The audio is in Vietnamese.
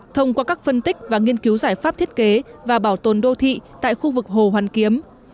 thông qua các phân tích và nghiên cứu giải pháp thiết kế và bảo tồn đô thị tại khu vực hồ hoàn kiếm